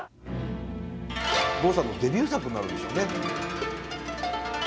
郷さんのデビュー作になるんでしょうね。